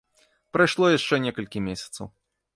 Прайшло яшчэ некалькі месяцаў.